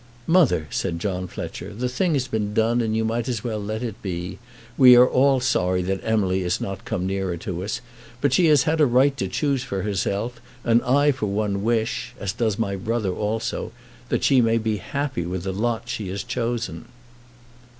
"Mother," said John Fletcher, "the thing has been done and you might as well let it be. We are all sorry that Emily has not come nearer to us; but she has had a right to choose for herself, and I for one wish, as does my brother also, that she may be happy in the lot she has chosen."